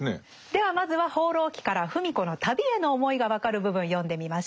ではまずは「放浪記」から芙美子の旅への思いが分かる部分読んでみましょう。